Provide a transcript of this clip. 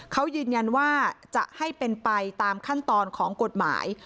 เขายืนยันว่าจะให้เป็นไปตามขั้นตอนของกฎหมาย